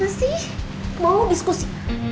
masih mau diskusi